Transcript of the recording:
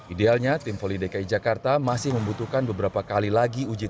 idealnya tim voli dki jakarta masih membutuhkan beberapa pelatih yang berlatih di pprp rangunan jakarta